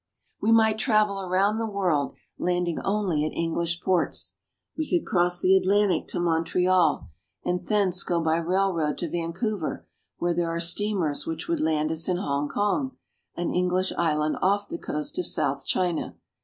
We might travel around the world, landing only at English ports. We could cross the Atlantic to Montreal, and thence go by railroad to Vancouver where there are steamers which would land us in Hong Kong, an English island off the coast of South China.